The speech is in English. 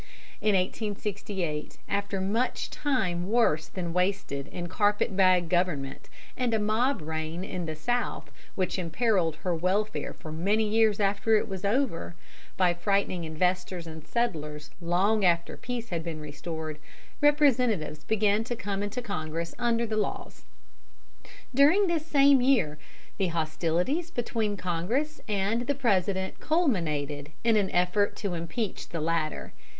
In 1868, after much time worse than wasted in carpet bag government and a mob reign in the South which imperilled her welfare for many years after it was over, by frightening investors and settlers long after peace had been restored, representatives began to come into Congress under the laws. During this same year the hostilities between Congress and the President culminated in an effort to impeach the latter.